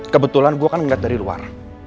kebetulan gue kan ngeliat dari luar